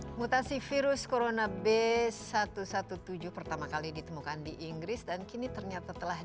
hai mutasi virus corona b satu ratus tujuh belas pertama kali ditemukan di inggris dan kini ternyata telah